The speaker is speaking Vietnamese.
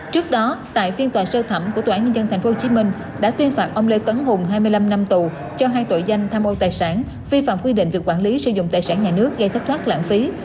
trước đó tại phiên tòa sơ thẩm của tòa án nhân dân tp hcm đã tuyên phạt ông lê tấn hùng hai mươi năm năm tù cho hai tội danh tham ô tài sản vi phạm quy định về quản lý sử dụng tài sản nhà nước gây thất thoát lãng phí